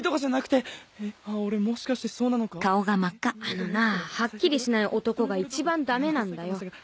あのなはっきりしない男が一番ダメなんだよ。